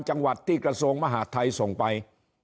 จังหวัดที่กระทรวงมหาดไทยส่งไป